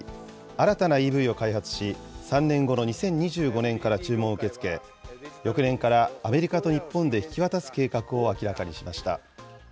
新たなＥＶを開発し、３年後の２０２５年から注文を受け付け、翌年からアメリカと日本で引き渡す計画を明らかにしました。